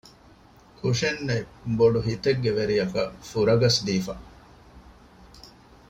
ކުށެއްނެތް ބޮޑު ހިތެއްގެ ވެރިޔަކަށް ފުރަގަސް ދީފަ